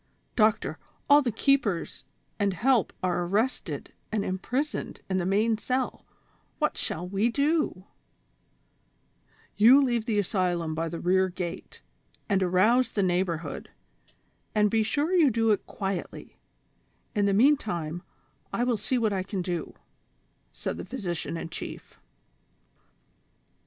doctor, all the keepers and help are arrested and imprisoned in the main cell; what shall we do V "" You leave the asylum by the rear gate, and arouse the neighborhood, and be sure you do it quickly ; in the mean time I will see what I can do," said the physician in chief.